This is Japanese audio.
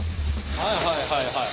はいはいはいはい。